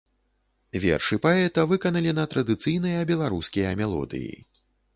Вершы паэта выканалі на традыцыйныя беларускія мелодыі.